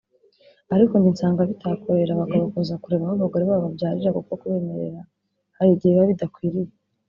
ariko njye nsanga bitakorohera abagabo kuza kureba aho abagore babo babyarira kuko kubemerera hari igihe biba bidakwiye